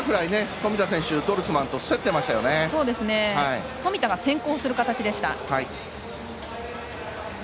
富田が先行する形でした。